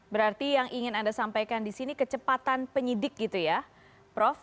berarti yang ingin anda sampaikan di sini kecepatan penyidik gitu ya prof